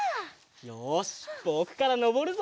よしぼくからのぼるぞ！